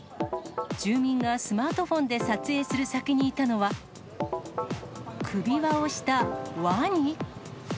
住民がスマートフォンで撮影する先にいたのは、首輪をしたワニ？